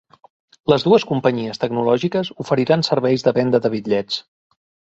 Les dues companyies tecnològiques oferiran serveis de venda de bitllets